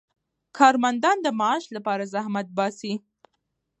کارمندان د معاش لپاره زحمت باسي.